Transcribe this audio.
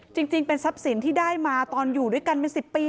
จริงเป็นทรัพย์สินที่ได้มาตอนอยู่ด้วยกันเป็น๑๐ปี